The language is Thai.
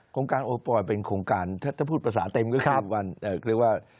โครงการโอปอยเป็นโครงการถ้าพูดภาษาเต็มก็คือวันเรียกว่า